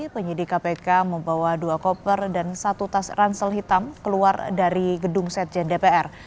penyidik kpk membawa dua koper dan satu tas ransel hitam keluar dari gedung sekjen dpr